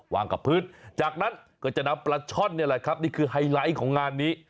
วางกับพื้นจากนั้นก็จะนำประชนนี่คือไฮไลท์ของงานนี้